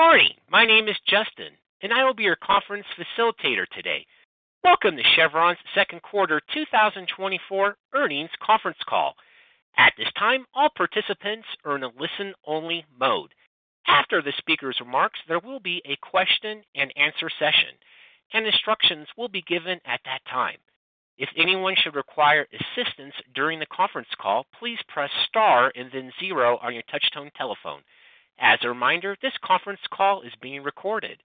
Good morning. My name is Justin, and I will be your conference facilitator today. Welcome to Chevron's second quarter 2024 earnings conference call. At this time, all participants are in a listen-only mode. After the speaker's remarks, there will be a question-and-answer session, and instructions will be given at that time. If anyone should require assistance during the conference call, please press star and then zero on your touch-tone telephone. As a reminder, this conference call is being recorded.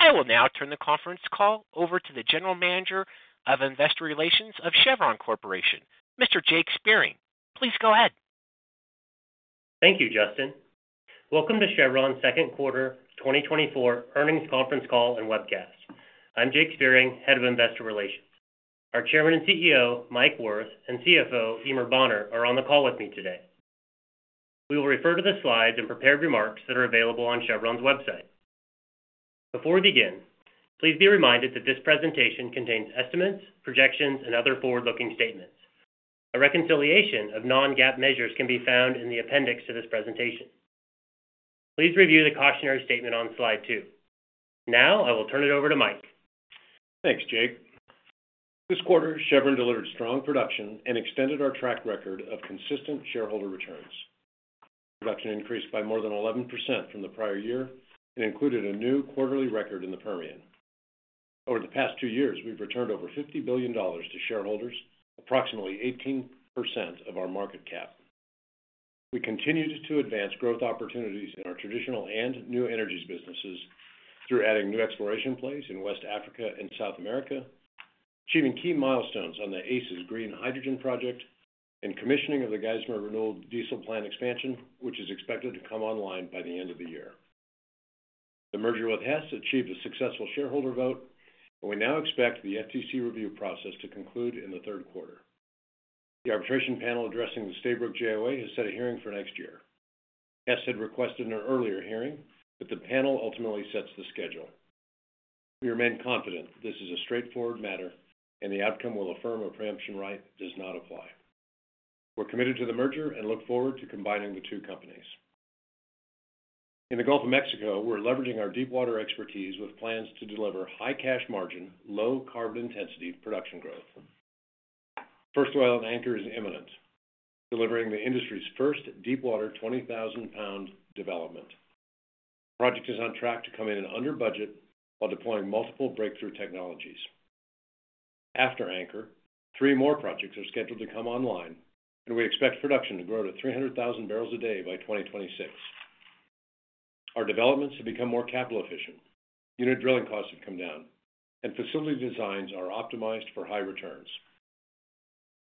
I will now turn the conference call over to the general manager of investor relations of Chevron Corporation, Mr. Jake Spiering. Please go ahead. Thank you, Justin. Welcome to Chevron's second quarter 2024 earnings conference call and webcast. I'm Jake Spiering, head of investor relations. Our Chairman and CEO, Mike Wirth, and CFO, Eimear Bonner, are on the call with me today. We will refer to the slides and prepared remarks that are available on Chevron's website. Before we begin, please be reminded that this presentation contains estimates, projections, and other forward-looking statements. A reconciliation of non-GAAP measures can be found in the appendix to this presentation. Please review the cautionary statement on slide two. Now, I will turn it over to Mike. Thanks, Jake. This quarter, Chevron delivered strong production and extended our track record of consistent shareholder returns. Production increased by more than 11% from the prior year and included a new quarterly record in the Permian. Over the past two years, we've returned over $50 billion to shareholders, approximately 18% of our market cap. We continued to advance growth opportunities in our traditional and new energies businesses through adding new exploration plays in West Africa and South America, achieving key milestones on the ACES Green Hydrogen project, and commissioning of the Geismar Renewable Diesel plant expansion, which is expected to come online by the end of the year. The merger with Hess achieved a successful shareholder vote, and we now expect the FTC review process to conclude in the third quarter. The arbitration panel addressing the Stabroek JOA has set a hearing for next year. Hess had requested an earlier hearing, but the panel ultimately sets the schedule. We remain confident this is a straightforward matter, and the outcome will affirm a preemption right does not apply. We're committed to the merger and look forward to combining the two companies. In the Gulf of Mexico, we're leveraging our deep-water expertise with plans to deliver high-cash margin, low-carbon intensity production growth. First oil at Anchor is imminent, delivering the industry's first deep-water 20,000-pound development. The project is on track to come in under budget while deploying multiple breakthrough technologies. After Anchor, three more projects are scheduled to come online, and we expect production to grow to 300,000 barrels a day by 2026. Our developments have become more capital-efficient, unit drilling costs have come down, and facility designs are optimized for high returns.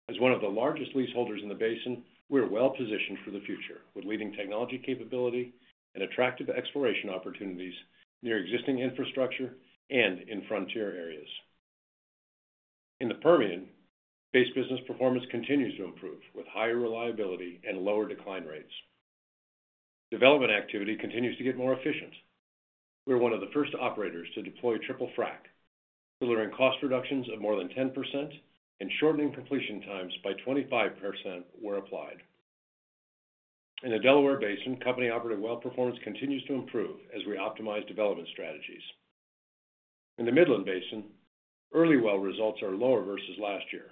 As one of the largest leaseholders in the basin, we're well-positioned for the future with leading technology capability and attractive exploration opportunities near existing infrastructure and in frontier areas. In the Permian, base business performance continues to improve with higher reliability and lower decline rates. Development activity continues to get more efficient. We're one of the first operators to deploy triple-frac, delivering cost reductions of more than 10% and shortening completion times by 25% where applied. In the Delaware Basin, company-operated well performance continues to improve as we optimize development strategies. In the Midland Basin, early well results are lower versus last year.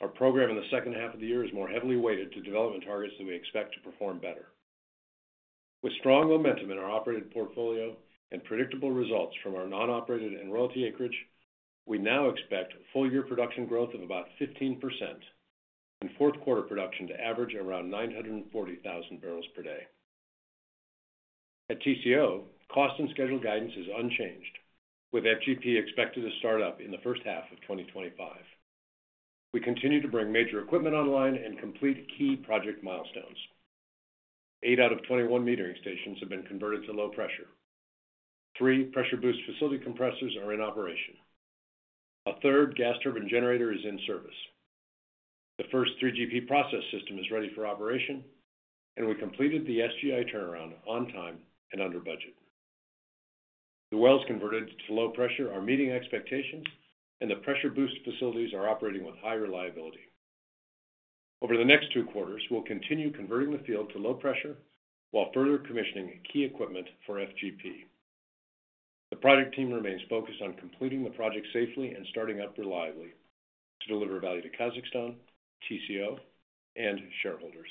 Our program in the second half of the year is more heavily weighted to development targets that we expect to perform better. With strong momentum in our operations portfolio and predictable results from our non-operated and royalty acreage, we now expect full-year production growth of about 15% and fourth-quarter production to average around 940,000 barrels per day. At TCO, cost and schedule guidance is unchanged, with FGP expected to start up in the first half of 2025. We continue to bring major equipment online and complete key project milestones. Eight out of 21 metering stations have been converted to low pressure. Three pressure-boost facility compressors are in operation. A third gas turbine generator is in service. The first 3GP process system is ready for operation, and we completed the SGI turnaround on time and under budget. The wells converted to low pressure are meeting expectations, and the pressure-boost facilities are operating with high reliability. Over the next two quarters, we'll continue converting the field to low pressure while further commissioning key equipment for FGP. The project team remains focused on completing the project safely and starting up reliably to deliver value to Kazakhstan, TCO, and shareholders.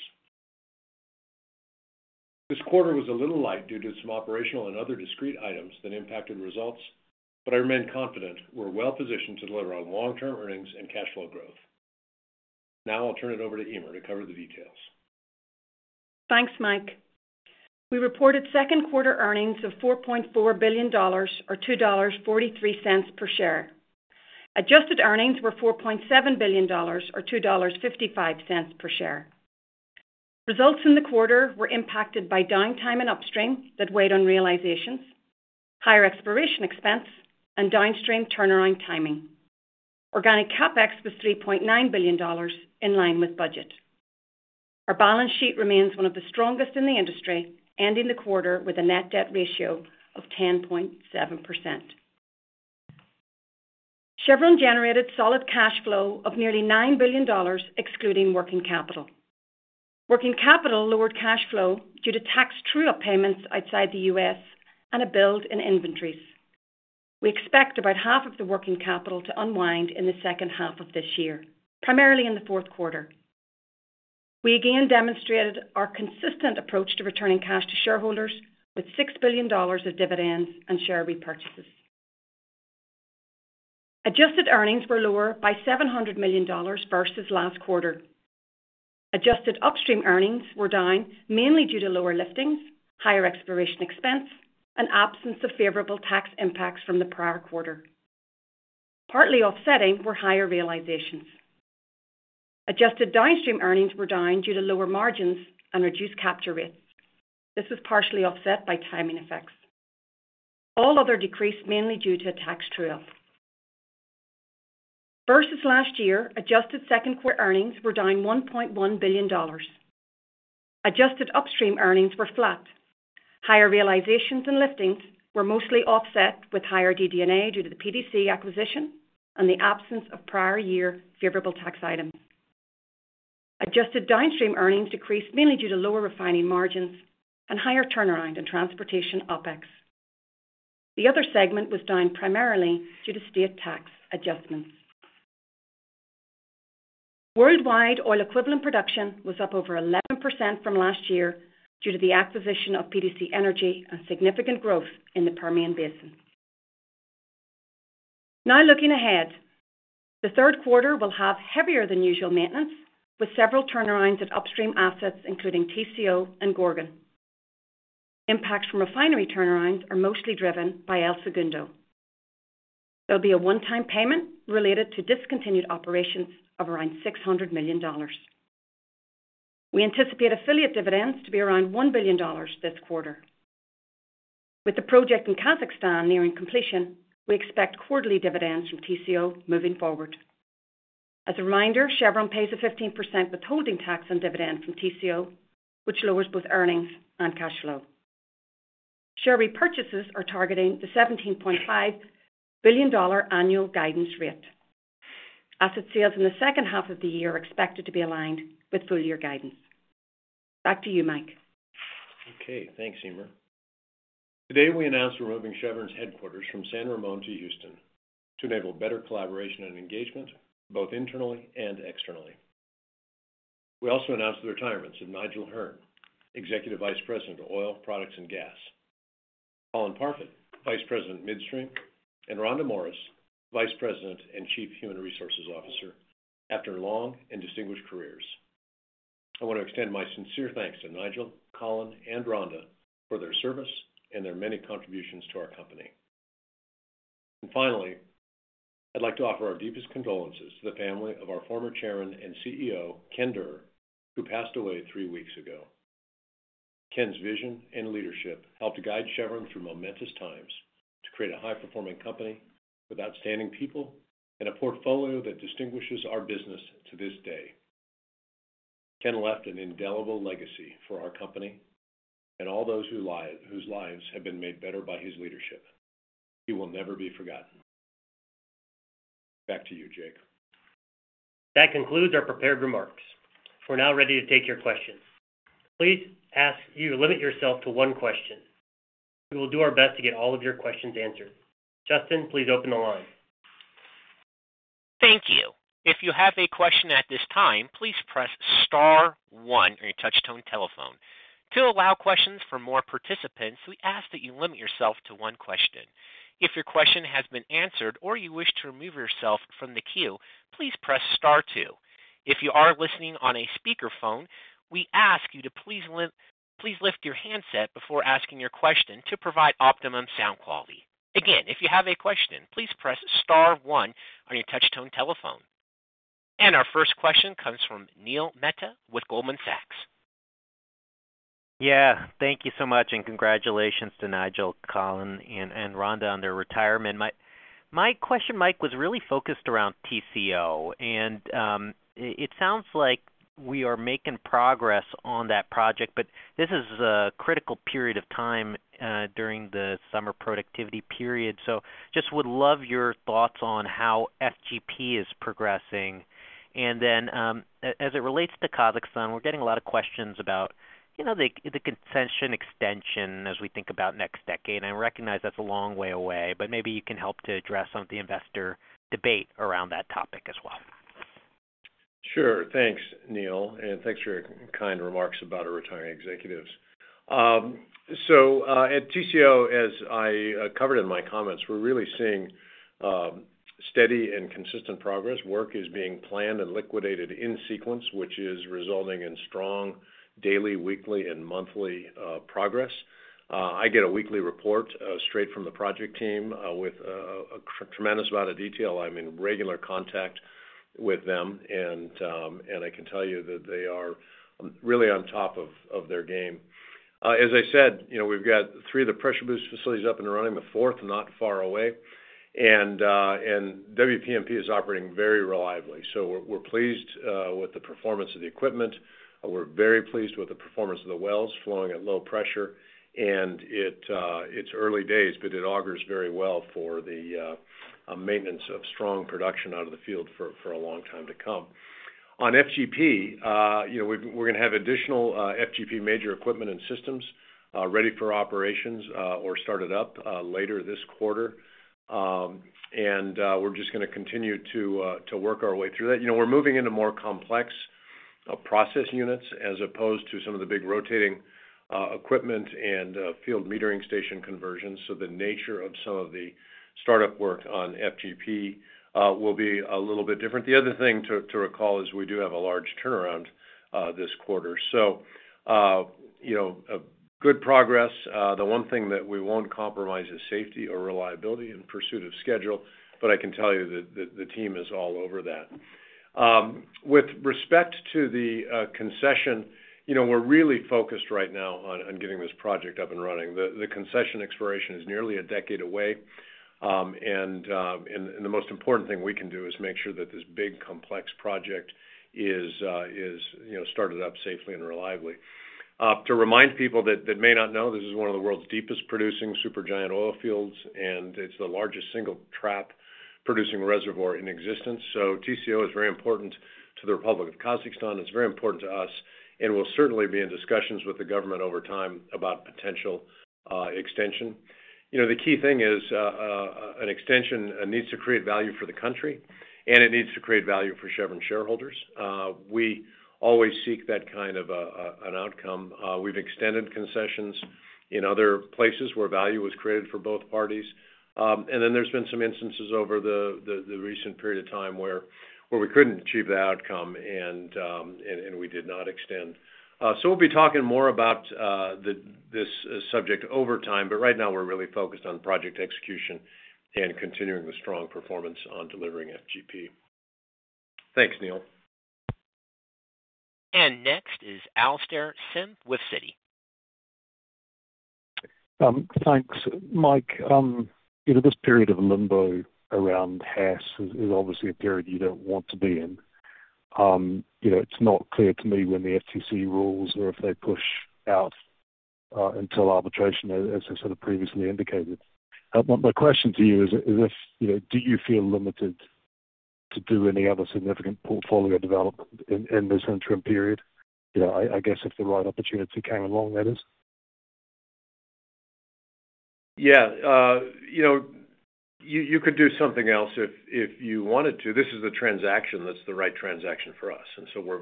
This quarter was a little light due to some operational and other discrete items that impacted results, but I remain confident we're well-positioned to deliver on long-term earnings and cash flow growth. Now, I'll turn it over to Eimear to cover the details. Thanks, Mike. We reported second-quarter earnings of $4.4 billion, or $2.43 per share. Adjusted earnings were $4.7 billion, or $2.55 per share. Results in the quarter were impacted by downtime and upstream that weighed on realizations, higher exploration expense, and downstream turnaround timing. Organic CapEx was $3.9 billion, in line with budget. Our balance sheet remains one of the strongest in the industry, ending the quarter with a net debt ratio of 10.7%. Chevron generated solid cash flow of nearly $9 billion, excluding working capital. Working capital lowered cash flow due to tax true-up payments outside the U.S. and a build in inventories. We expect about half of the working capital to unwind in the second half of this year, primarily in the fourth quarter. We again demonstrated our consistent approach to returning cash to shareholders with $6 billion of dividends and share repurchases. Adjusted earnings were lower by $700 million versus last quarter. Adjusted upstream earnings were down mainly due to lower liftings, higher exploration expense, and absence of favorable tax impacts from the prior quarter, partly offsetting with higher realizations. Adjusted downstream earnings were down due to lower margins and reduced capture rates. This was partially offset by timing effects. All other decreased mainly due to a tax true-up. Versus last year, adjusted second-quarter earnings were down $1.1 billion. Adjusted upstream earnings were flat. Higher realizations and liftings were mostly offset with higher DD&A due to the PDC acquisition and the absence of prior year favorable tax items. Adjusted downstream earnings decreased mainly due to lower refining margins and higher turnaround and transportation OpEx. The other segment was down primarily due to state tax adjustments. Worldwide oil equivalent production was up over 11% from last year due to the acquisition of PDC Energy and significant growth in the Permian Basin. Now, looking ahead, the third quarter will have heavier-than-usual maintenance with several turnarounds at upstream assets, including TCO and Gorgon. Impacts from refinery turnarounds are mostly driven by El Segundo. There'll be a one-time payment related to discontinued operations of around $600 million. We anticipate affiliate dividends to be around $1 billion this quarter. With the project in Kazakhstan nearing completion, we expect quarterly dividends from TCO moving forward. As a reminder, Chevron pays a 15% withholding tax on dividend from TCO, which lowers both earnings and cash flow. Share repurchases are targeting the $17.5 billion annual guidance rate. Asset sales in the second half of the year are expected to be aligned with full-year guidance. Back to you, Mike. Okay. Thanks, Eimear. Today, we announced we're moving Chevron's headquarters from San Ramon to Houston to enable better collaboration and engagement, both internally and externally. We also announced the retirements of Nigel Hearne, Executive Vice President of Oil, Products, and Gas; Colin Parfitt, Vice President of Midstream; and Rhonda Morris, Vice President and Chief Human Resources Officer, after long and distinguished careers. I want to extend my sincere thanks to Nigel, Colin, and Rhonda for their service and their many contributions to our company. And finally, I'd like to offer our deepest condolences to the family of our former chairman and CEO, Ken Derr, who passed away three weeks ago. Ken's vision and leadership helped guide Chevron through momentous times to create a high-performing company with outstanding people and a portfolio that distinguishes our business to this day. Ken left an indelible legacy for our company and all those whose lives have been made better by his leadership. He will never be forgotten. Back to you, Jake. That concludes our prepared remarks. We're now ready to take your questions. Please limit yourself to one question. We will do our best to get all of your questions answered. Justin, please open the line. Thank you. If you have a question at this time, please press star one on your touch-tone telephone. To allow questions for more participants, we ask that you limit yourself to one question. If your question has been answered or you wish to remove yourself from the queue, please press star two. If you are listening on a speakerphone, we ask you to please lift your handset before asking your question to provide optimum sound quality. Again, if you have a question, please press star one on your touch-tone telephone. Our first question comes from Neil Mehta with Goldman Sachs. Yeah. Thank you so much, and congratulations to Nigel, Colin, and Rhonda on their retirement. My question, Mike, was really focused around TCO, and it sounds like we are making progress on that project, but this is a critical period of time during the summer productivity period. So just would love your thoughts on how FGP is progressing? And then, as it relates to Kazakhstan, we're getting a lot of questions about the concession extension as we think about next decade. And I recognize that's a long way away, but maybe you can help to address some of the investor debate around that topic as well. Sure. Thanks, Neil, and thanks for your kind remarks about our retiring executives. At TCO, as I covered in my comments, we're really seeing steady and consistent progress. Work is being planned and liquidated in sequence, which is resulting in strong daily, weekly, and monthly progress. I get a weekly report straight from the project team with a tremendous amount of detail. I'm in regular contact with them, and I can tell you that they are really on top of their game. As I said, we've got three of the pressure-boost facilities up and running, the fourth not far away, and WPMP is operating very reliably. We're pleased with the performance of the equipment. We're very pleased with the performance of the wells flowing at low pressure, and it's early days, but it augurs very well for the maintenance of strong production out of the field for a long time to come. On FGP, we're going to have additional FGP major equipment and systems ready for operations or started up later this quarter, and we're just going to continue to work our way through that. We're moving into more complex process units as opposed to some of the big rotating equipment and field metering station conversions. So the nature of some of the startup work on FGP will be a little bit different. The other thing to recall is we do have a large turnaround this quarter. So good progress. The one thing that we won't compromise is safety or reliability in pursuit of schedule, but I can tell you that the team is all over that. With respect to the concession, we're really focused right now on getting this project up and running. The concession expiration is nearly a decade away, and the most important thing we can do is make sure that this big, complex project is started up safely and reliably. To remind people that may not know, this is one of the world's deepest producing supergiant oil fields, and it's the largest single-trap producing reservoir in existence. So TCO is very important to the Republic of Kazakhstan. It's very important to us, and we'll certainly be in discussions with the government over time about potential extension. The key thing is an extension needs to create value for the country, and it needs to create value for Chevron shareholders. We always seek that kind of an outcome. We've extended concessions in other places where value was created for both parties. And then there's been some instances over the recent period of time where we couldn't achieve that outcome, and we did not extend. So we'll be talking more about this subject over time, but right now, we're really focused on project execution and continuing the strong performance on delivering FGP. Thanks, Neil. Next is Alastair Syme with Citi. Thanks, Mike. This period of limbo around Hess is obviously a period you don't want to be in. It's not clear to me when the FTC rules or if they push out until arbitration, as I sort of previously indicated. My question to you is, do you feel limited to do any other significant portfolio development in this interim period? I guess if the right opportunity came along, that is. Yeah. You could do something else if you wanted to. This is a transaction that's the right transaction for us, and so we're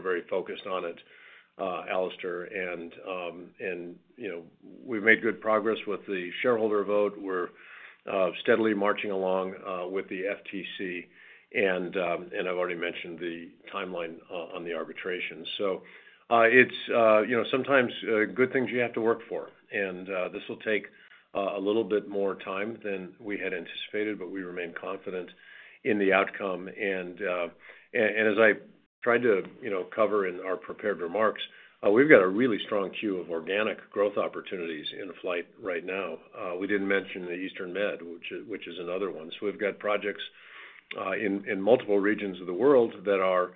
very focused on it, Alastair, and we've made good progress with the shareholder vote. We're steadily marching along with the FTC, and I've already mentioned the timeline on the arbitration. So sometimes, good things you have to work for, and this will take a little bit more time than we had anticipated, but we remain confident in the outcome. And as I tried to cover in our prepared remarks, we've got a really strong queue of organic growth opportunities in flight right now. We didn't mention the Eastern Med, which is another one. So we've got projects in multiple regions of the world that are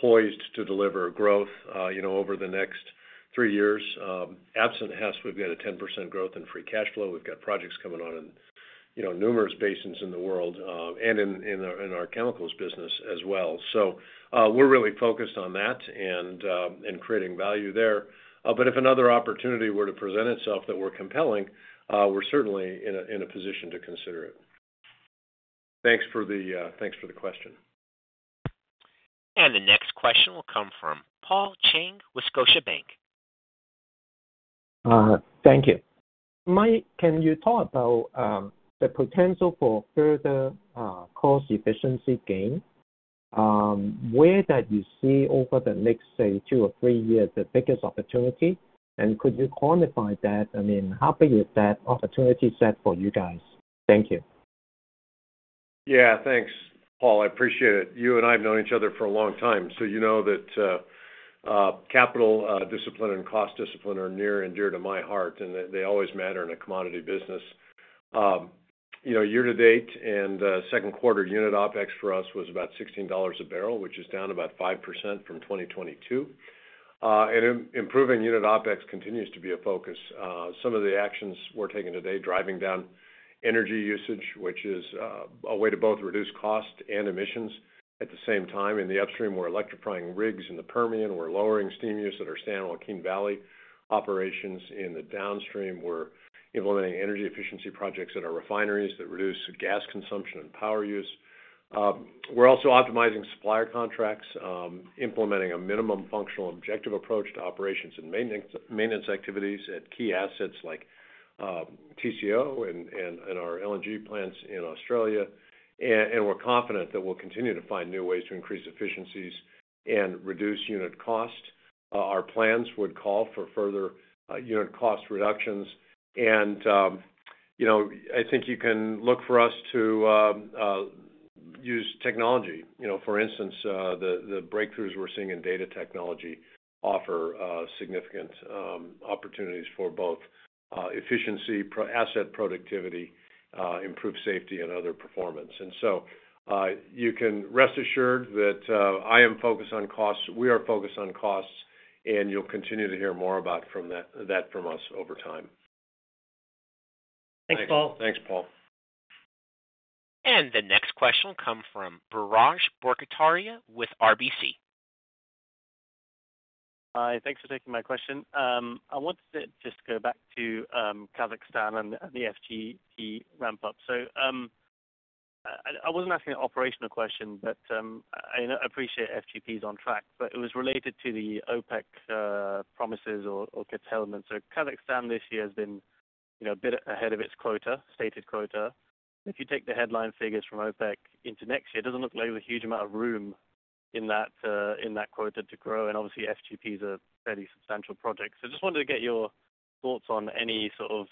poised to deliver growth over the next three years. Absent Hess, we've got a 10% growth in free cash flow. We've got projects coming on in numerous basins in the world and in our chemicals business as well. So we're really focused on that and creating value there. But if another opportunity were to present itself that were compelling, we're certainly in a position to consider it. Thanks for the question. The next question will come from Paul Cheng, Scotiabank. Thank you. Mike, can you talk about the potential for further cost efficiency gain? Where do you see over the next, say, two or three years the biggest opportunity? And could you quantify that? I mean, how big is that opportunity set for you guys? Thank you. Yeah. Thanks, Paul. I appreciate it. You and I have known each other for a long time, so you know that capital discipline and cost discipline are near and dear to my heart, and they always matter in a commodity business. Year to date, and second quarter unit OpEx for us was about $16 a barrel, which is down about 5% from 2022. And improving unit OpEx continues to be a focus. Some of the actions we're taking today are driving down energy usage, which is a way to both reduce cost and emissions at the same time. In the upstream, we're electrifying rigs in the Permian. We're lowering steam use at our San Joaquin Valley operations. In the downstream, we're implementing energy efficiency projects at our refineries that reduce gas consumption and power use. We're also optimizing supplier contracts, implementing a minimum functional objective approach to operations and maintenance activities at key assets like TCO and our LNG plants in Australia. And we're confident that we'll continue to find new ways to increase efficiencies and reduce unit cost. Our plans would call for further unit cost reductions, and I think you can look for us to use technology. For instance, the breakthroughs we're seeing in data technology offer significant opportunities for both efficiency, asset productivity, improved safety, and other performance. And so you can rest assured that I am focused on costs. We are focused on costs, and you'll continue to hear more from that from us over time. Thanks, Paul. Thanks, Paul. The next question will come from Biraj Borkhataria with RBC. Hi. Thanks for taking my question. I wanted to just go back to Kazakhstan and the FGP ramp-up. So I wasn't asking an operational question, but I appreciate FGP is on track, but it was related to the OPEC promises or curtailments. So Kazakhstan this year has been a bit ahead of its quota, stated quota. If you take the headline figures from OPEC into next year, it doesn't look like there's a huge amount of room in that quota to grow. And obviously, FGP is a fairly substantial project. So I just wanted to get your thoughts on any sort of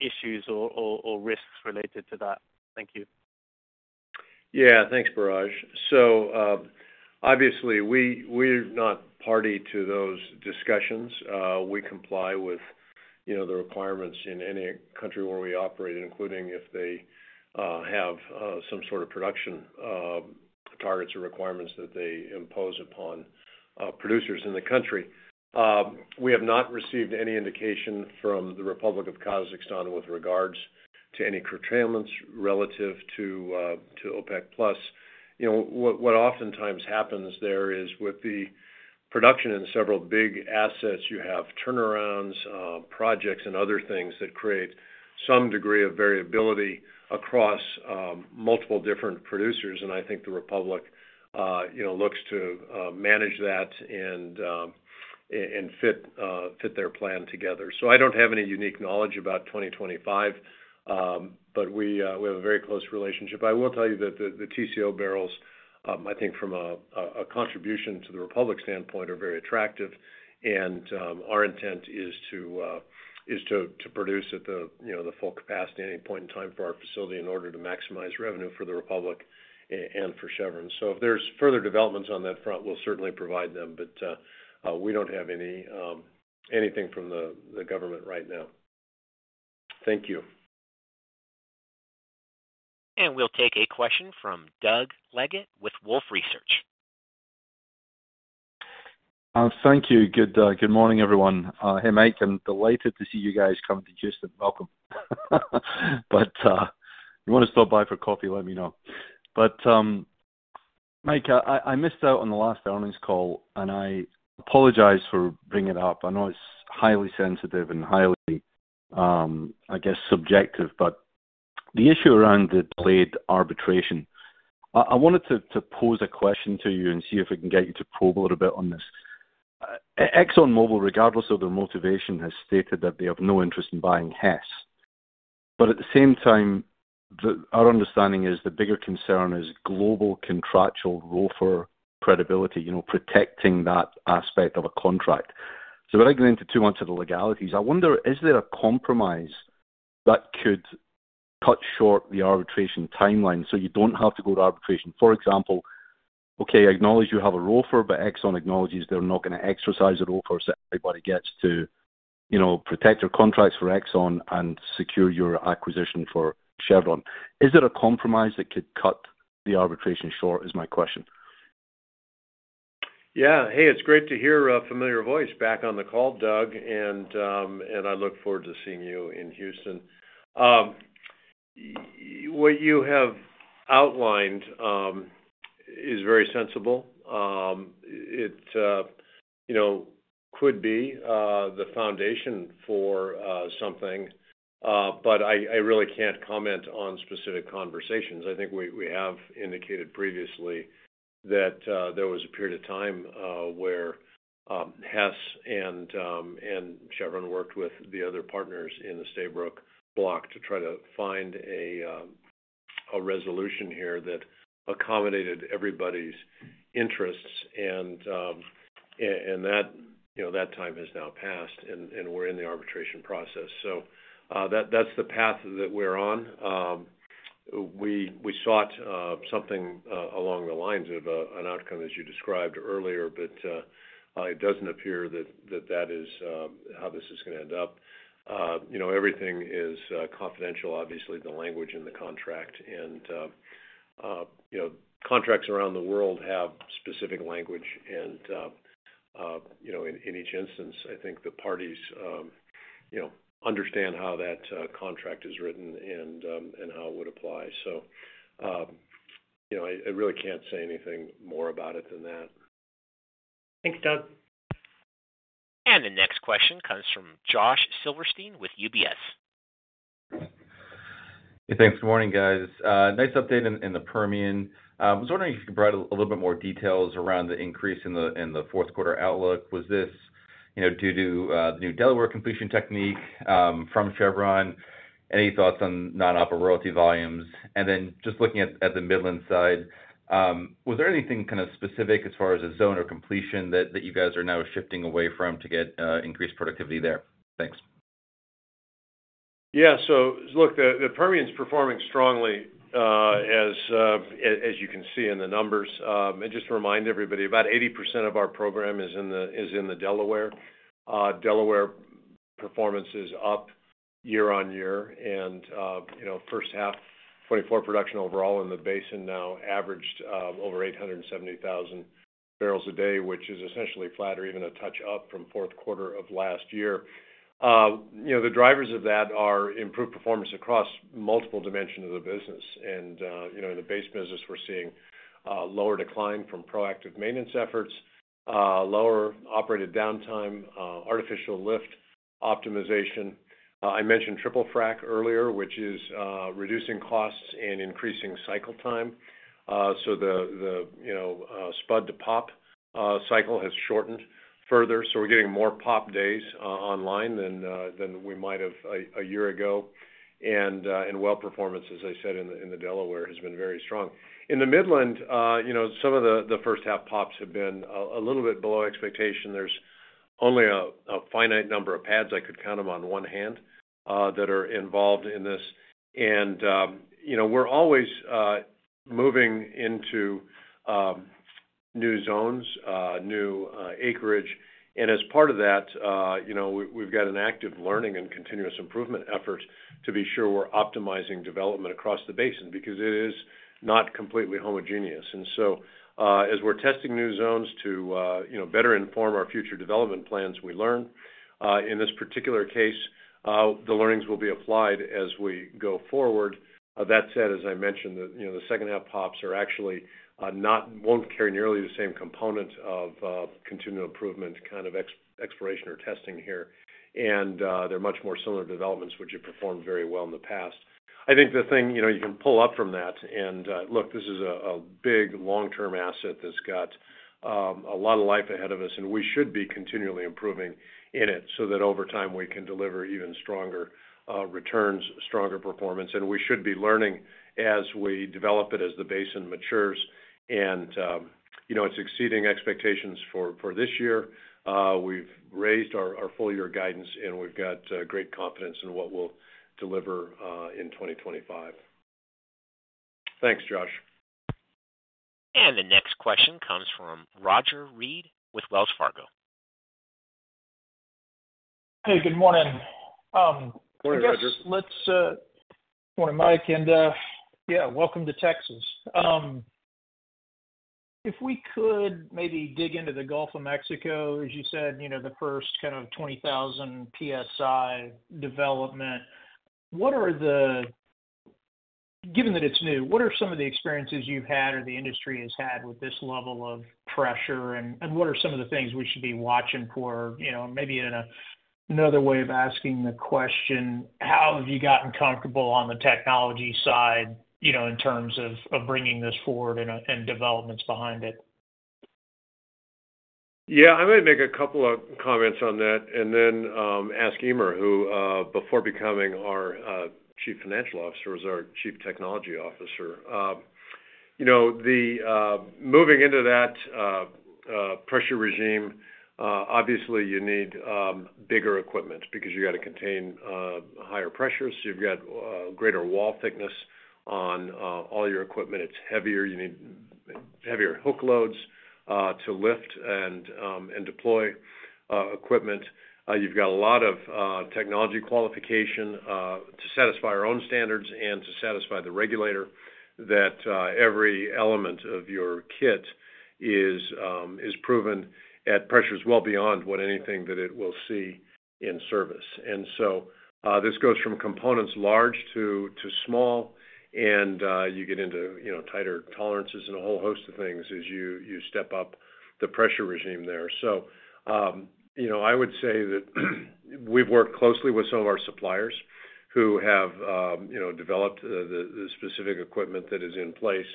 issues or risks related to that. Thank you. Yeah. Thanks, Biraj. So obviously, we're not party to those discussions. We comply with the requirements in any country where we operate, including if they have some sort of production targets or requirements that they impose upon producers in the country. We have not received any indication from the Republic of Kazakhstan with regards to any curtailments relative to OPEC+. What oftentimes happens there is with the production in several big assets, you have turnarounds, projects, and other things that create some degree of variability across multiple different producers. And I think the Republic looks to manage that and fit their plan together. So I don't have any unique knowledge about 2025, but we have a very close relationship. I will tell you that the TCO barrels, I think from a contribution to the Republic standpoint, are very attractive, and our intent is to produce at the full capacity at any point in time for our facility in order to maximize revenue for the Republic and for Chevron. So if there's further developments on that front, we'll certainly provide them, but we don't have anything from the government right now. Thank you. We'll take a question from Doug Leggett with Wolfe Research. Thank you. Good morning, everyone. Hey, Mike. I'm delighted to see you guys come to just welcome. But if you want to stop by for coffee, let me know. But Mike, I missed out on the last earnings call, and I apologize for bringing it up. I know it's highly sensitive and highly, I guess, subjective, but the issue around the delayed arbitration, I wanted to pose a question to you and see if we can get you to probe a little bit on this. ExxonMobil, regardless of their motivation, has stated that they have no interest in buying Hess. But at the same time, our understanding is the bigger concern is global contractual ROFR credibility, protecting that aspect of a contract. So without going into too much of the legalities, I wonder, is there a compromise that could cut short the arbitration timeline so you don't have to go to arbitration? For example, okay, I acknowledge you have a ROFR, but Exxon acknowledges they're not going to exercise a ROFR so everybody gets to protect your contracts for Exxon and secure your acquisition for Chevron. Is there a compromise that could cut the arbitration short, is my question? Yeah. Hey, it's great to hear a familiar voice back on the call, Doug, and I look forward to seeing you in Houston. What you have outlined is very sensible. It could be the foundation for something, but I really can't comment on specific conversations. I think we have indicated previously that there was a period of time where Hess and Chevron worked with the other partners in the Stabroek block to try to find a resolution here that accommodated everybody's interests, and that time has now passed, and we're in the arbitration process. So that's the path that we're on. We sought something along the lines of an outcome as you described earlier, but it doesn't appear that that is how this is going to end up. Everything is confidential, obviously, the language in the contract. Contracts around the world have specific language, and in each instance, I think the parties understand how that contract is written and how it would apply. I really can't say anything more about it than that. Thanks, Doug. The next question comes from Josh Silverstein with UBS. Hey, thanks. Good morning, guys. Nice update in the Permian. I was wondering if you could provide a little bit more details around the increase in the fourth quarter outlook. Was this due to the new Delaware completion technique from Chevron? Any thoughts on non-oper royalty volumes? And then just looking at the Midland side, was there anything kind of specific as far as a zone or completion that you guys are now shifting away from to get increased productivity there? Thanks. Yeah. So look, the Permian's performing strongly, as you can see in the numbers. And just to remind everybody, about 80% of our program is in the Delaware. Delaware performance is up year on year, and first half 2024 production overall in the basin now averaged over 870,000 barrels a day, which is essentially flat or even a touch up from fourth quarter of last year. The drivers of that are improved performance across multiple dimensions of the business. And in the base business, we're seeing lower decline from proactive maintenance efforts, lower operated downtime, artificial lift optimization. I mentioned triple-frac earlier, which is reducing costs and increasing cycle time. So the spud-to-pop cycle has shortened further. So we're getting more pop days online than we might have a year ago. And well performance, as I said, in the Delaware has been very strong. In the Midland, some of the first half pops have been a little bit below expectation. There's only a finite number of pads, I could count them on one hand, that are involved in this. We're always moving into new zones, new acreage. As part of that, we've got an active learning and continuous improvement effort to be sure we're optimizing development across the basin because it is not completely homogeneous. So as we're testing new zones to better inform our future development plans, we learn. In this particular case, the learnings will be applied as we go forward. That said, as I mentioned, the second half pops are actually won't carry nearly the same component of continued improvement kind of exploration or testing here. They're much more similar developments, which have performed very well in the past. I think the thing you can pull up from that, and look, this is a big long-term asset that's got a lot of life ahead of us, and we should be continually improving in it so that over time we can deliver even stronger returns, stronger performance. And we should be learning as we develop it as the basin matures and it's exceeding expectations for this year. We've raised our full year guidance, and we've got great confidence in what we'll deliver in 2025. Thanks, Josh. The next question comes from Roger Read with Wells Fargo. Hey, good morning. Morning, Roger. Morning, Mike. Yeah, welcome to Texas. If we could maybe dig into the Gulf of Mexico, as you said, the first kind of 20,000 PSI development, what are the given that it's new, what are some of the experiences you've had or the industry has had with this level of pressure, and what are some of the things we should be watching for? Maybe in another way of asking the question, how have you gotten comfortable on the technology side in terms of bringing this forward and developments behind it? Yeah. I might make a couple of comments on that and then ask Eimear, who before becoming our Chief Financial Officer was our Chief Technology Officer. Moving into that pressure regime, obviously, you need bigger equipment because you got to contain higher pressures. You've got greater wall thickness on all your equipment. It's heavier. You need heavier hook loads to lift and deploy equipment. You've got a lot of technology qualification to satisfy our own standards and to satisfy the regulator that every element of your kit is proven at pressures well beyond what anything that it will see in service. And so this goes from components large to small, and you get into tighter tolerances and a whole host of things as you step up the pressure regime there. I would say that we've worked closely with some of our suppliers who have developed the specific equipment that is in place,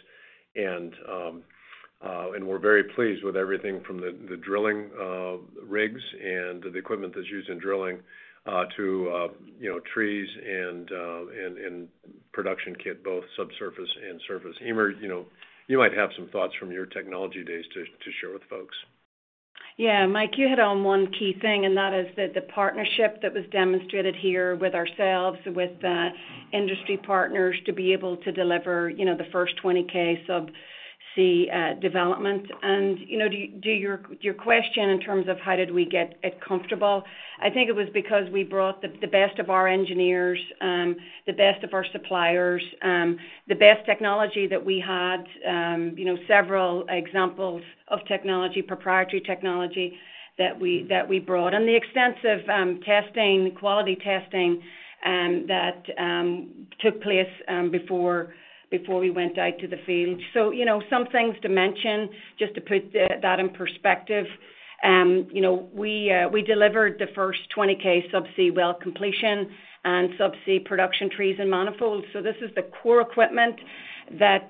and we're very pleased with everything from the drilling rigs and the equipment that's used in drilling to trees and production kit, both subsurface and surface. Eimear, you might have some thoughts from your technology days to share with folks. Yeah. Mike, you hit on one key thing, and that is that the partnership that was demonstrated here with ourselves, with the industry partners to be able to deliver the first 20K subsea development. And to your question in terms of how did we get comfortable, I think it was because we brought the best of our engineers, the best of our suppliers, the best technology that we had, several examples of technology, proprietary technology that we brought, and the extensive testing, quality testing that took place before we went out to the field. So some things to mention, just to put that in perspective, we delivered the first 20K subsea well completion and subsea production trees and manifolds. So this is the core equipment that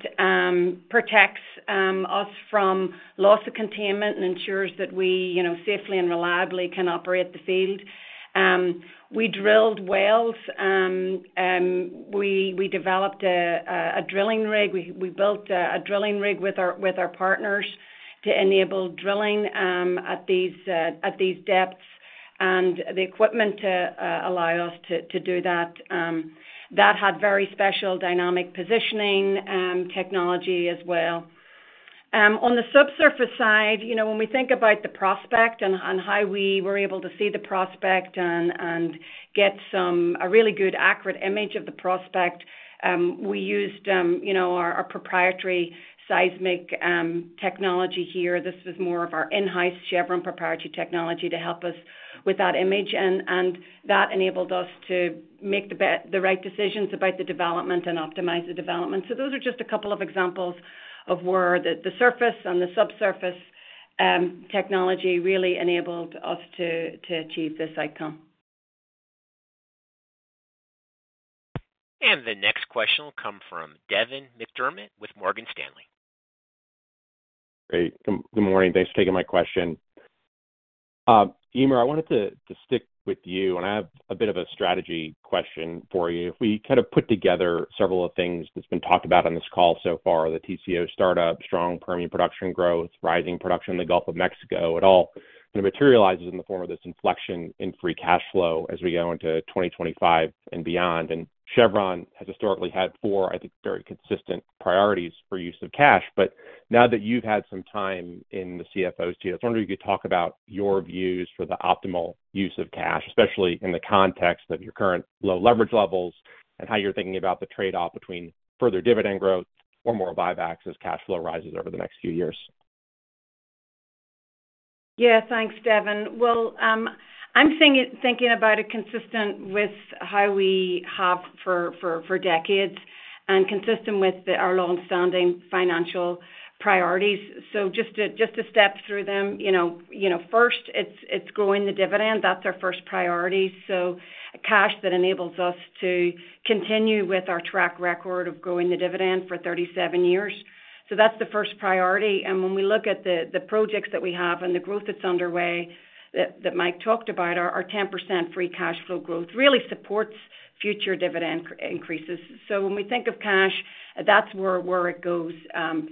protects us from loss of containment and ensures that we safely and reliably can operate the field. We drilled wells. We developed a drilling rig. We built a drilling rig with our partners to enable drilling at these depths and the equipment to allow us to do that. That had very special dynamic positioning technology as well. On the subsurface side, when we think about the prospect and how we were able to see the prospect and get a really good accurate image of the prospect, we used our proprietary seismic technology here. This was more of our in-house Chevron proprietary technology to help us with that image, and that enabled us to make the right decisions about the development and optimize the development. Those are just a couple of examples of where the surface and the subsurface technology really enabled us to achieve this outcome. The next question will come from Devin McDermott with Morgan Stanley. Great. Good morning. Thanks for taking my question. Eimear, I wanted to stick with you, and I have a bit of a strategy question for you. We kind of put together several things that's been talked about on this call so far, the TCO startup, strong Permian production growth, rising production in the Gulf of Mexico, it all kind of materializes in the form of this inflection in free cash flow as we go into 2025 and beyond. And Chevron has historically had four, I think, very consistent priorities for use of cash. Now that you've had some time in the CFO's team, I was wondering if you could talk about your views for the optimal use of cash, especially in the context of your current low leverage levels and how you're thinking about the trade-off between further dividend growth or more buybacks as cash flow rises over the next few years? Yeah. Thanks, Devin. Well, I'm thinking about it consistent with how we have for decades and consistent with our long-standing financial priorities. So just to step through them, first, it's growing the dividend. That's our first priority. So cash that enables us to continue with our track record of growing the dividend for 37 years. So that's the first priority. And when we look at the projects that we have and the growth that's underway that Mike talked about, our 10% free cash flow growth really supports future dividend increases. So when we think of cash, that's where it goes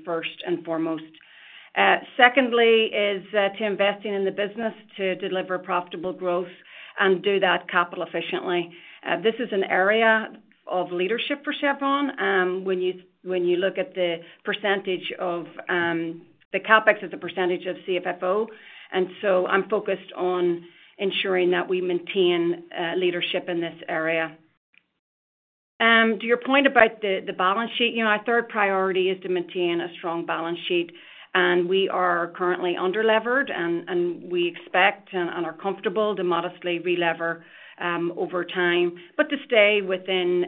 first and foremost. Secondly is to investing in the business to deliver profitable growth and do that capital efficiently. This is an area of leadership for Chevron. When you look at the percentage of the CapEx is a percentage of CFFO. I'm focused on ensuring that we maintain leadership in this area. To your point about the balance sheet, our third priority is to maintain a strong balance sheet. We are currently underlevered, and we expect and are comfortable to modestly re-lever over time, but to stay within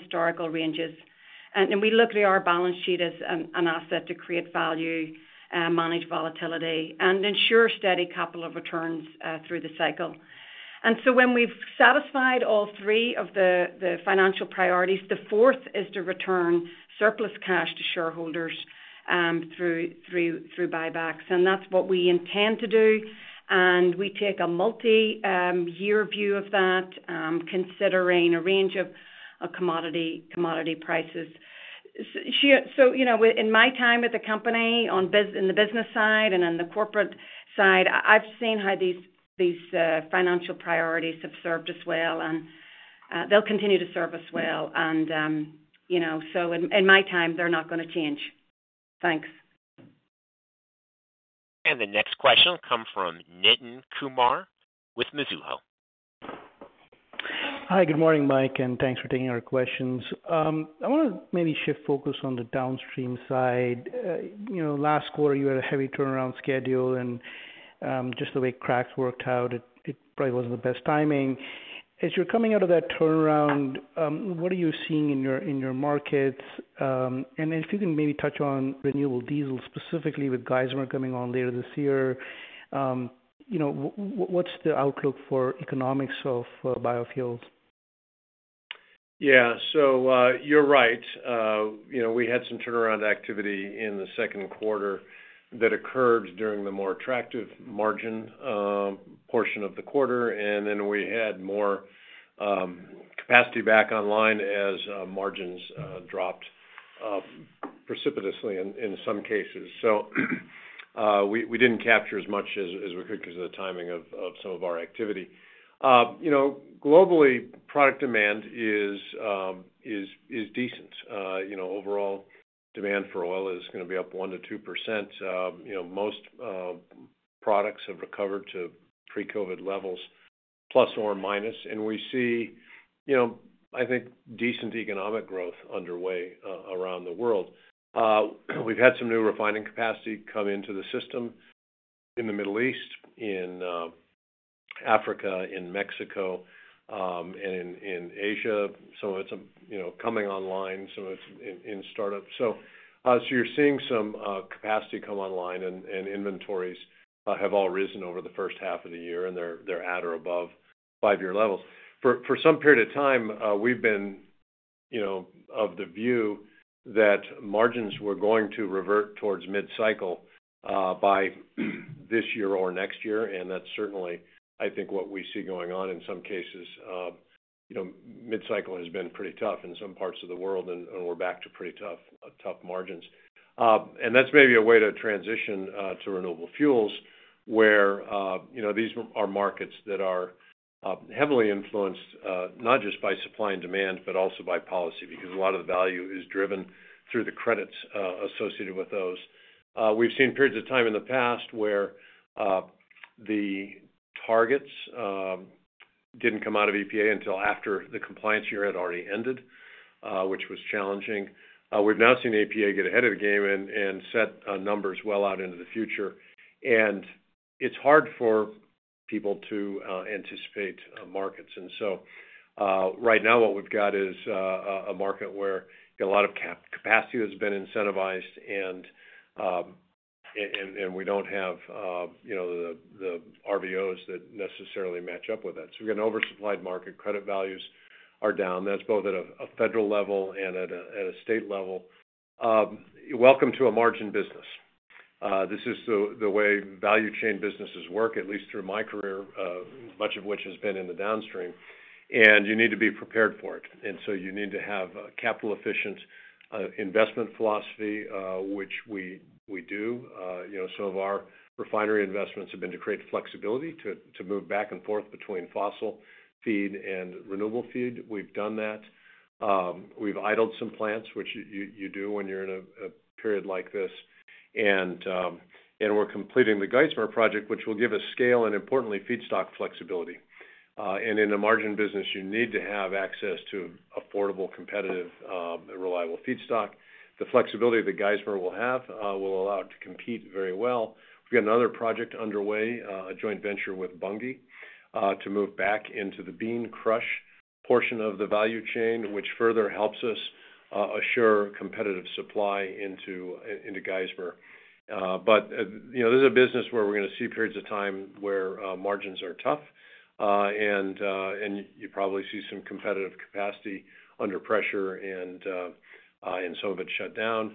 historical ranges. We look at our balance sheet as an asset to create value, manage volatility, and ensure steady capital returns through the cycle. When we've satisfied all three of the financial priorities, the fourth is to return surplus cash to shareholders through buybacks. That's what we intend to do. We take a multi-year view of that, considering a range of commodity prices. So in my time at the company in the business side and on the corporate side, I've seen how these financial priorities have served us well, and they'll continue to serve us well. And so in my time, they're not going to change. Thanks. The next question will come from Nitin Kumar with Mizuho. Hi, good morning, Mike, and thanks for taking our questions. I want to maybe shift focus on the downstream side. Last quarter, you had a heavy turnaround schedule, and just the way cracks worked out, it probably wasn't the best timing. As you're coming out of that turnaround, what are you seeing in your markets? And if you can maybe touch on renewable diesel specifically with Geismar coming on later this year, what's the outlook for economics of biofuels? Yeah. So you're right. We had some turnaround activity in the second quarter that occurred during the more attractive margin portion of the quarter. And then we had more capacity back online as margins dropped precipitously in some cases. So we didn't capture as much as we could because of the timing of some of our activity. Globally, product demand is decent. Overall, demand for oil is going to be up 1%-2%. Most products have recovered to pre-COVID levels, plus or minus. And we see, I think, decent economic growth underway around the world. We've had some new refining capacity come into the system in the Middle East, in Africa, in Mexico, and in Asia. Some of it's coming online. Some of it's in startups. So you're seeing some capacity come online, and inventories have all risen over the first half of the year, and they're at or above five-year levels. For some period of time, we've been of the view that margins were going to revert towards mid-cycle by this year or next year. And that's certainly, I think, what we see going on in some cases. Mid-cycle has been pretty tough in some parts of the world, and we're back to pretty tough margins. And that's maybe a way to transition to renewable fuels where these are markets that are heavily influenced not just by supply and demand, but also by policy because a lot of the value is driven through the credits associated with those. We've seen periods of time in the past where the targets didn't come out of EPA until after the compliance year had already ended, which was challenging. We've now seen the EPA get ahead of the game and set numbers well out into the future. It's hard for people to anticipate markets. Right now, what we've got is a market where a lot of capacity has been incentivized, and we don't have the RVOs that necessarily match up with that. We've got an oversupplied market. Credit values are down. That's both at a federal level and at a state level. Welcome to a margin business. This is the way value chain businesses work, at least through my career, much of which has been in the downstream. You need to be prepared for it. You need to have a capital-efficient investment philosophy, which we do. Some of our refinery investments have been to create flexibility to move back and forth between fossil feed and renewable feed. We've done that. We've idled some plants, which you do when you're in a period like this. We're completing the Geismar project, which will give us scale and, importantly, feedstock flexibility. In a margin business, you need to have access to affordable, competitive, and reliable feedstock. The flexibility that Geismar will have will allow it to compete very well. We've got another project underway, a joint venture with Bunge, to move back into the bean crush portion of the value chain, which further helps us assure competitive supply into Geismar. But this is a business where we're going to see periods of time where margins are tough, and you probably see some competitive capacity under pressure, and some of it shut down.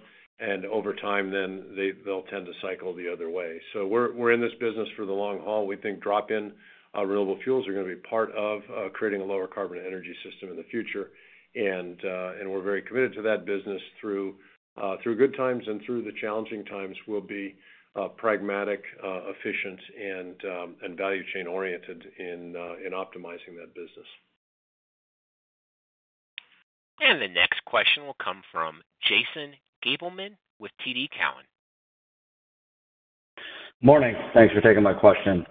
Over time, then they'll tend to cycle the other way. So we're in this business for the long haul. We think drop-in renewable fuels are going to be part of creating a lower carbon energy system in the future. And we're very committed to that business through good times and through the challenging times. We'll be pragmatic, efficient, and value chain-oriented in optimizing that business. The next question will come from Jason Gabelman with TD Cowen. Morning. Thanks for taking my question.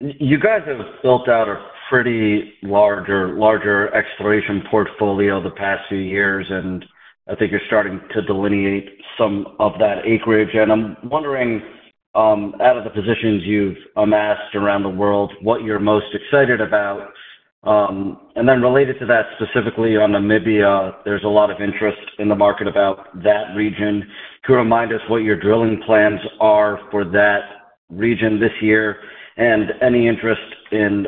You guys have built out a pretty large exploration portfolio the past few years, and I think you're starting to delineate some of that acreage. I'm wondering, out of the positions you've amassed around the world, what you're most excited about. Then related to that, specifically on Namibia, there's a lot of interest in the market about that region. Could you remind us what your drilling plans are for that region this year and any interest in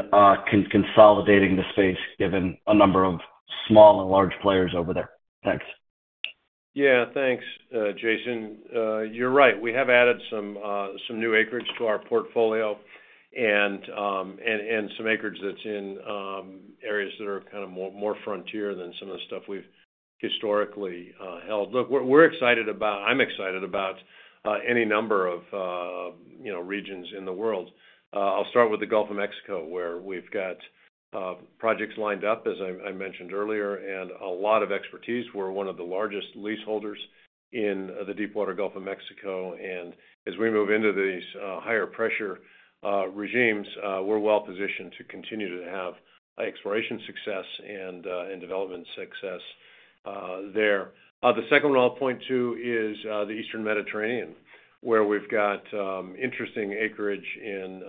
consolidating the space given a number of small and large players over there? Thanks. Yeah. Thanks, Jason. You're right. We have added some new acreage to our portfolio and some acreage that's in areas that are kind of more frontier than some of the stuff we've historically held. Look, we're excited about, I'm excited about any number of regions in the world. I'll start with the Gulf of Mexico, where we've got projects lined up, as I mentioned earlier, and a lot of expertise. We're one of the largest leaseholders in the Deepwater Gulf of Mexico. And as we move into these higher pressure regimes, we're well positioned to continue to have exploration success and development success there. The second one I'll point to is the Eastern Mediterranean, where we've got interesting acreage in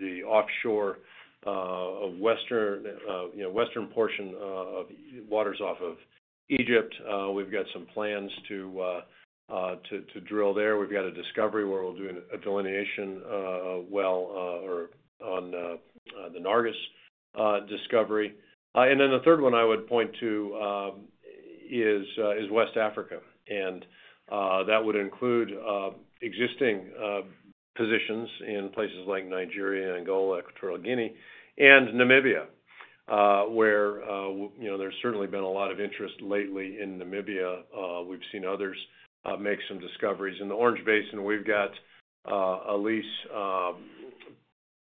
the offshore of the western portion of waters off of Egypt. We've got some plans to drill there. We've got a discovery where we'll do a delineation well on the Nargis discovery. And then the third one I would point to is West Africa. And that would include existing positions in places like Nigeria and Angola, Equatorial Guinea, and Namibia, where there's certainly been a lot of interest lately in Namibia. We've seen others make some discoveries. In the Orange Basin, we've got a lease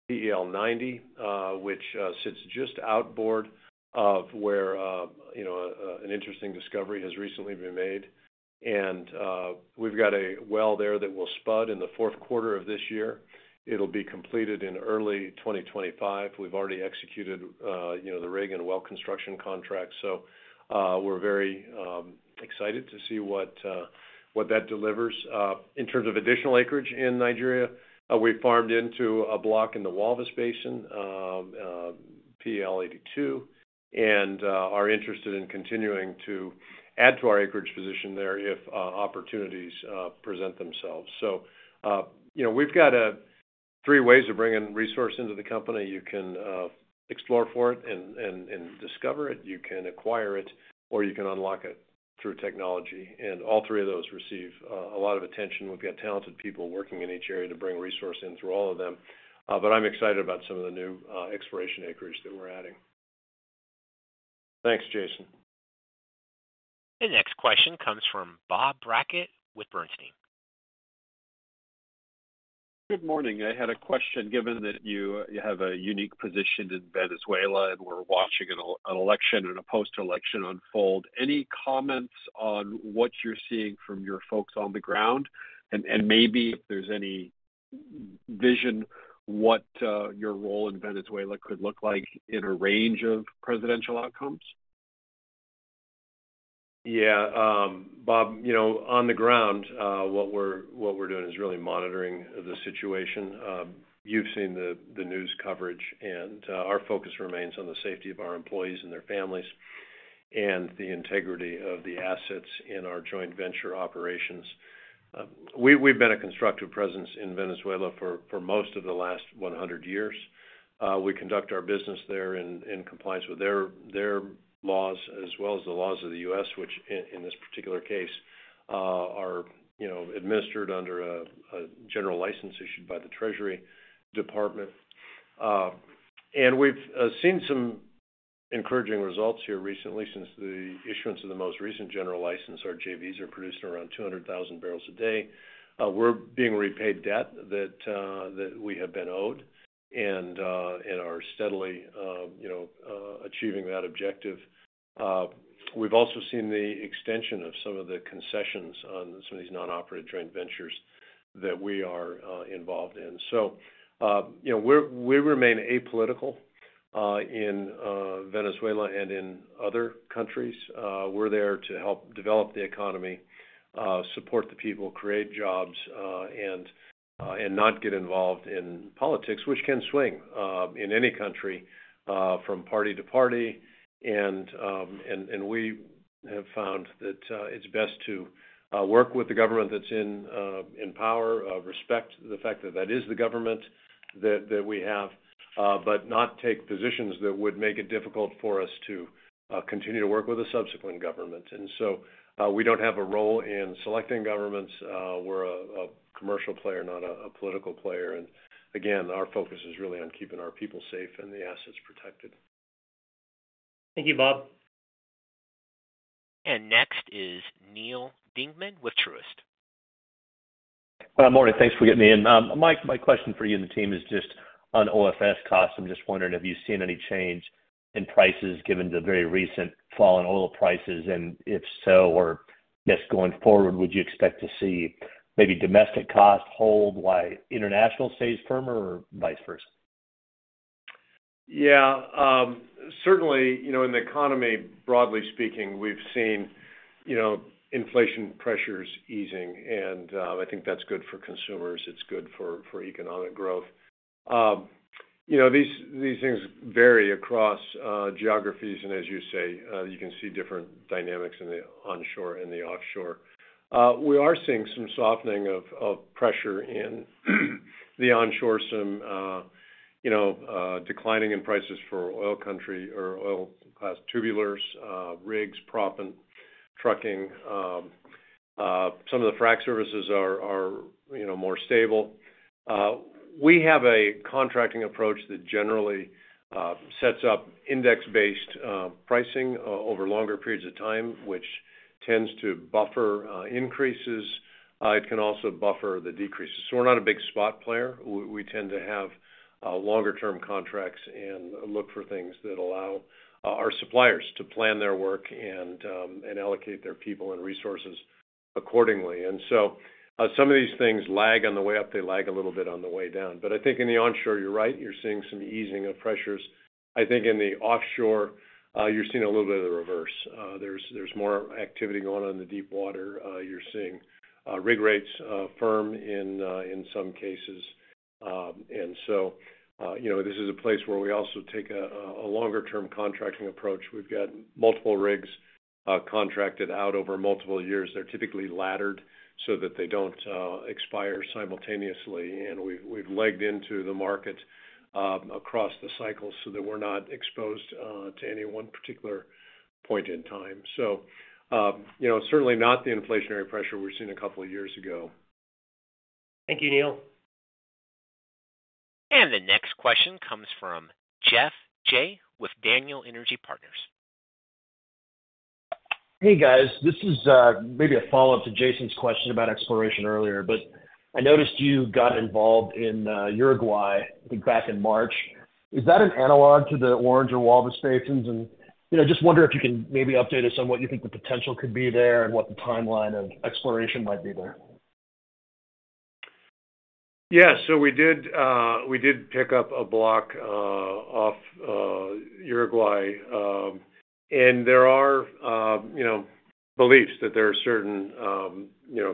PEL 90, which sits just outboard of where an interesting discovery has recently been made. And we've got a well there that will spud in the fourth quarter of this year. It'll be completed in early 2025. We've already executed the rig and well construction contract. So we're very excited to see what that delivers. In terms of additional acreage in Nigeria, we've farmed into a block in the Walvis Basin, PEL 82, and are interested in continuing to add to our acreage position there if opportunities present themselves. So we've got three ways of bringing resource into the company. You can explore for it and discover it. You can acquire it, or you can unlock it through technology. And all three of those receive a lot of attention. We've got talented people working in each area to bring resource in through all of them. But I'm excited about some of the new exploration acreage that we're adding. Thanks, Jason. The next question comes from Bob Brackett with Bernstein. Good morning. I had a question. Given that you have a unique position in Venezuela and we're watching an election and a post-election unfold, any comments on what you're seeing from your folks on the ground? Maybe if there's any vision what your role in Venezuela could look like in a range of presidential outcomes? Yeah. Bob, on the ground, what we're doing is really monitoring the situation. You've seen the news coverage, and our focus remains on the safety of our employees and their families and the integrity of the assets in our joint venture operations. We've been a constructive presence in Venezuela for most of the last 100 years. We conduct our business there in compliance with their laws as well as the laws of the U.S., which in this particular case are administered under a general license issued by the Treasury Department. And we've seen some encouraging results here recently since the issuance of the most recent general license. Our JVs are producing around 200,000 barrels a day. We're being repaid debt that we have been owed and are steadily achieving that objective. We've also seen the extension of some of the concessions on some of these non-operated joint ventures that we are involved in. So we remain apolitical in Venezuela and in other countries. We're there to help develop the economy, support the people, create jobs, and not get involved in politics, which can swing in any country from party to party. And we have found that it's best to work with the government that's in power, respect the fact that that is the government that we have, but not take positions that would make it difficult for us to continue to work with a subsequent government. And so we don't have a role in selecting governments. We're a commercial player, not a political player. And again, our focus is really on keeping our people safe and the assets protected. Thank you, Bob. Next is Neal Dingmann with Truist. Good morning. Thanks for getting me in. Mike, my question for you and the team is just on OFS costs. I'm just wondering, have you seen any change in prices given the very recent fall in oil prices? And if so, or I guess going forward, would you expect to see maybe domestic costs hold while international stays firmer or vice versa? Yeah. Certainly, in the economy, broadly speaking, we've seen inflation pressures easing, and I think that's good for consumers. It's good for economic growth. These things vary across geographies. And as you say, you can see different dynamics in the onshore and the offshore. We are seeing some softening of pressure in the onshore, some declining in prices for oil country or oil class tubulars, rigs, proppant, trucking. Some of the frac services are more stable. We have a contracting approach that generally sets up index-based pricing over longer periods of time, which tends to buffer increases. It can also buffer the decreases. So we're not a big spot player. We tend to have longer-term contracts and look for things that allow our suppliers to plan their work and allocate their people and resources accordingly. And so some of these things lag on the way up. They lag a little bit on the way down. But I think in the onshore, you're right. You're seeing some easing of pressures. I think in the offshore, you're seeing a little bit of the reverse. There's more activity going on in the deep water. You're seeing rig rates firm in some cases. And so this is a place where we also take a longer-term contracting approach. We've got multiple rigs contracted out over multiple years. They're typically laddered so that they don't expire simultaneously. And we've legged into the market across the cycles so that we're not exposed to any one particular point in time. So certainly not the inflationary pressure we've seen a couple of years ago. Thank you, Nael. The next question comes from Geoff Jay with Daniel Energy Partners. Hey, guys. This is maybe a follow-up to Jason's question about exploration earlier, but I noticed you got involved in Uruguay, I think back in March. Is that an analog to the Orange or Walvis Basins? And just wondering if you can maybe update us on what you think the potential could be there and what the timeline of exploration might be there? Yeah. So we did pick up a block off Uruguay. And there are beliefs that there are certain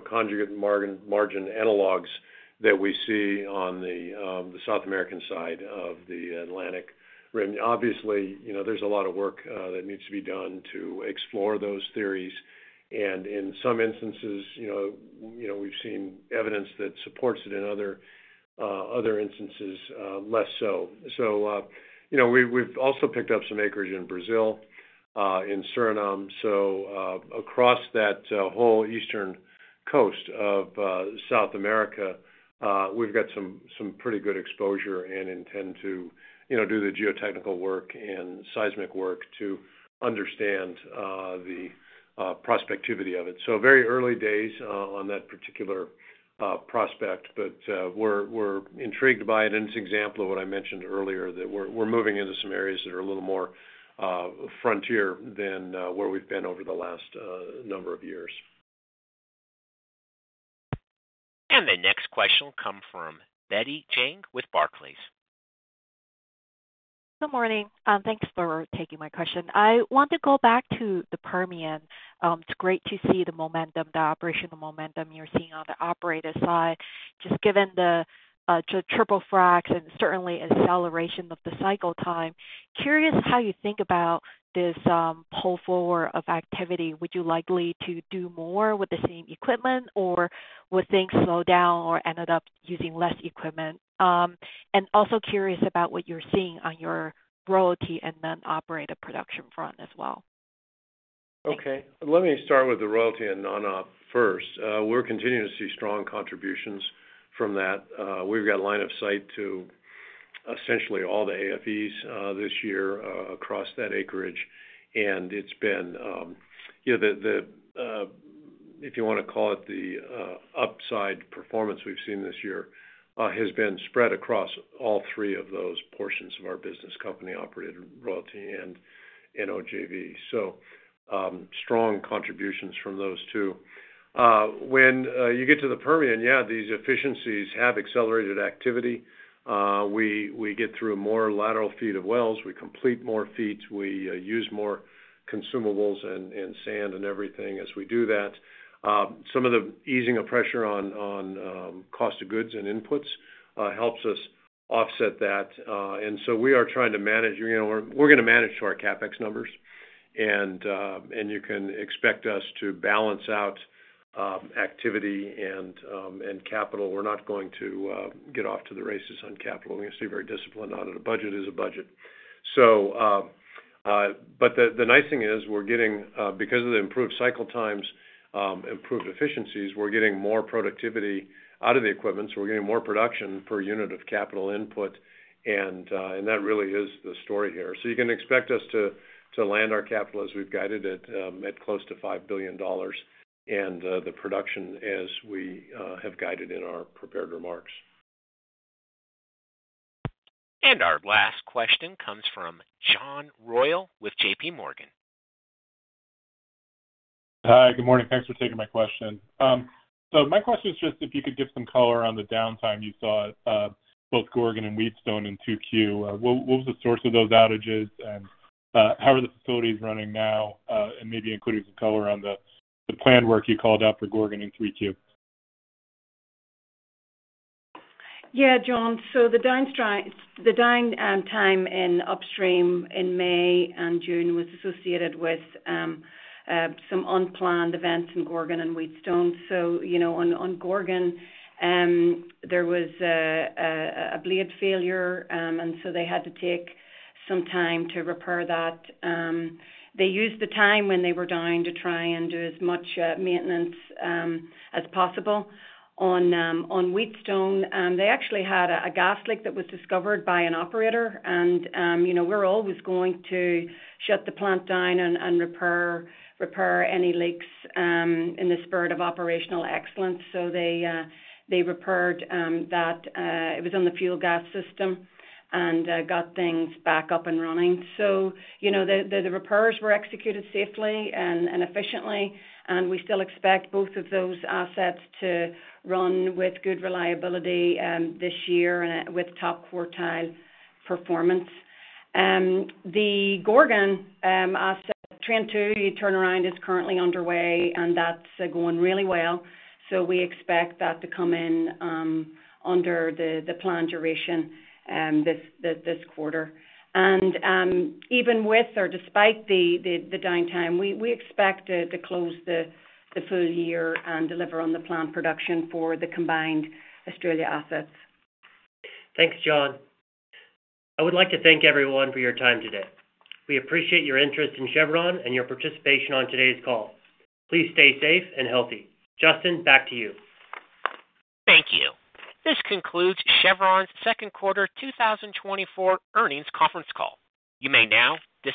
conjugate margin analogs that we see on the South American side of the Atlantic Rim. Obviously, there's a lot of work that needs to be done to explore those theories. And in some instances, we've seen evidence that supports it. In other instances, less so. So we've also picked up some acreage in Brazil, in Suriname. So across that whole eastern coast of South America, we've got some pretty good exposure and intend to do the geotechnical work and seismic work to understand the prospectivity of it. So very early days on that particular prospect, but we're intrigued by it. And it's an example of what I mentioned earlier, that we're moving into some areas that are a little more frontier than where we've been over the last number of years. The next question will come from Betty Jiang with Barclays. Good morning. Thanks for taking my question. I want to go back to the Permian. It's great to see the momentum, the operational momentum you're seeing on the operator side, just given the triple-frac and certainly acceleration of the cycle time. Curious how you think about this pull forward of activity? Would you likely to do more with the same equipment, or would things slow down or end up using less equipment? And also curious about what you're seeing on your royalty and non-operator production front as well? Okay. Let me start with the royalty and non-op first. We're continuing to see strong contributions from that. We've got line of sight to essentially all the AFEs this year across that acreage. And it's been the, if you want to call it, the upside performance we've seen this year has been spread across all three of those portions of our business: company operated, royalty, and NOJV. So strong contributions from those two. When you get to the Permian, yeah, these efficiencies have accelerated activity. We get through more lateral feet of wells. We complete more feet. We use more consumables and sand and everything as we do that. Some of the easing of pressure on cost of goods and inputs helps us offset that. And so we are trying to manage. We're going to manage to our CapEx numbers. You can expect us to balance out activity and capital. We're not going to get off to the races on capital. We're going to stay very disciplined on it. A budget is a budget. But the nice thing is we're getting, because of the improved cycle times, improved efficiencies, we're getting more productivity out of the equipment. So we're getting more production per unit of capital input. And that really is the story here. So you can expect us to land our capital as we've guided it at close to $5 billion and the production as we have guided in our prepared remarks. Our last question comes from John Royall with JPMorgan. Hi, good morning. Thanks for taking my question. So my question is just if you could give some color on the downtime you saw at both Gorgon and Wheatstone in 2Q. What was the source of those outages? And how are the facilities running now? And maybe including some color on the planned work you called out for Gorgon in 3Q. Yeah, John. So the downtime in upstream in May and June was associated with some unplanned events in Gorgon and Wheatstone. So on Gorgon, there was a bleed failure, and so they had to take some time to repair that. They used the time when they were down to try and do as much maintenance as possible. On Wheatstone, they actually had a gas leak that was discovered by an operator. And we're always going to shut the plant down and repair any leaks in the spirit of operational excellence. So they repaired that. It was on the fuel gas system and got things back up and running. So the repairs were executed safely and efficiently. And we still expect both of those assets to run with good reliability this year and with top quartile performance. The Gorgon asset, Train 2 turnaround, is currently underway, and that's going really well. So we expect that to come in under the planned duration this quarter. Even with or despite the downtime, we expect to close the full year and deliver on the planned production for the combined Australia assets. Thanks, John. I would like to thank everyone for your time today. We appreciate your interest in Chevron and your participation on today's call. Please stay safe and healthy. Justin, back to you. Thank you. This concludes Chevron's second quarter 2024 earnings conference call. You may now disconnect.